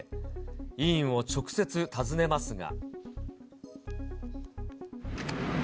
医院を直接訪ねますが。